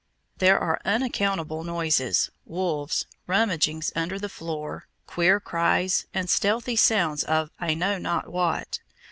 There are unaccountable noises, (wolves), rummagings under the floor, queer cries, and stealthy sounds of I know not what.